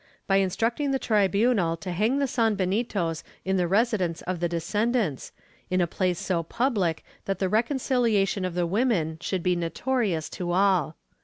Ill] SANBENITOS IN CHURCHES 167 instructing the tribunal to hang the sanbenitos in the residence of the descendants, in a place so public that the reconciliation of the women should be notorious to all.